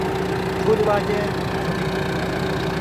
ټولې وعدې عملي کړي.